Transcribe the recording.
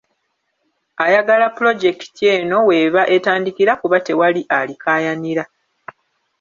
Ayagala pulojekiti eno w’eba etandikira kuba tewali alikaayanira.